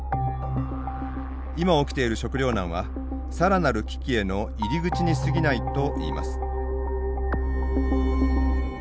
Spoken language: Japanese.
今起きている食料難はさらなる危機への入り口にすぎないといいます。